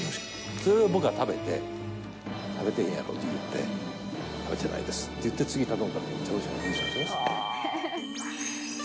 それを僕は食べて、食べてへんやろうって言って、食べてないですって言って、次頼んだら、おいしかった。